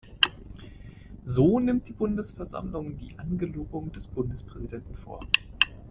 So nimmt die Bundesversammlung die Angelobung des Bundespräsidenten vor.